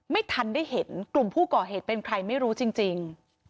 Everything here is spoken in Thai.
ไม่ทันได้เห็นกลุ่มผู้ก่อเหตุเป็นใครไม่รู้จริง